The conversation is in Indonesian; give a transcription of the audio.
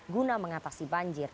guna mengatasi banjir